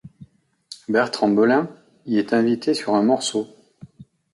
Bertrand Belin y est invité sur un morceau.